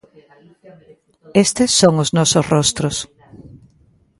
Estes son os nosos rostros.